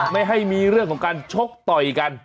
ไม่ให้มีเรื่องของการชกต่อยกัน